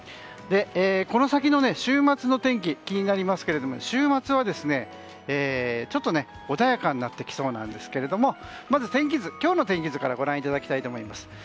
この先の週末の天気気になりますが週末は、ちょっと穏やかになってきそうなんですがまず今日の天気図からご覧いただきたいと思います。